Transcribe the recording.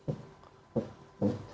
kemudian juga di tol jawa